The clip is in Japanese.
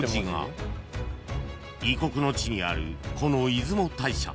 ［異国の地にあるこの出雲大社］